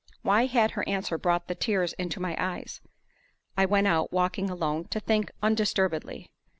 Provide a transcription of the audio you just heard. Why had her answer brought the tears into my eyes? I went out, walking alone, to think undisturbedly.